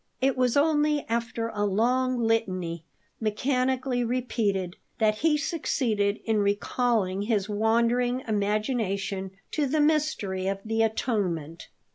It was only after a long litany, mechanically repeated, that he succeeded in recalling his wandering imagination to the mystery of the Atonement.